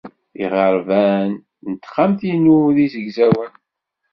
Iɣerban n texxamt-inu d izegzawen.